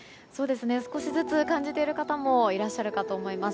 少しずつ感じている方もいらっしゃるかと思います。